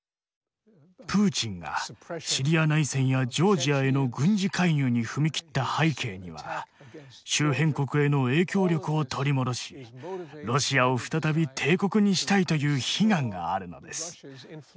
プーチンがシリア内戦やジョージアへの軍事介入に踏み切った背景には周辺国への影響力を取り戻しロシアを再び帝国にしたいという悲願があるのです。